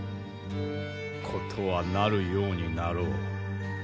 事はなるようになろう。